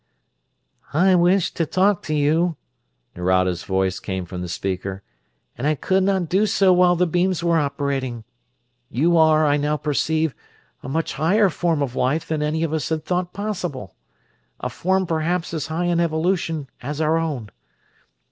"I wish to talk to you," Nerado's voice came from the speaker, "and I could not do so while the beams were operating. You are, I now perceive, a much higher form of life than any of us had thought possible; a form perhaps as high in evolution as our own.